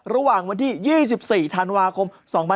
ระหว่างวันที่๒๔ธันวาคม๒๕๖๒